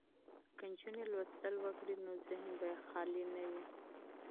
که نجونې مطالعه وکړي نو ذهن به یې خالي نه وي.